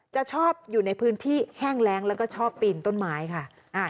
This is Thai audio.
จะชอบอยู่ในพื้นที่แห้งแรงแล้วก็ชอบปีนต้นไม้ค่ะ